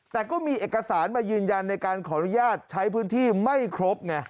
แต่ก็มีเอกสารมายืนยันในการขออนุญาตใช้พื้นที่ไม่ครบไง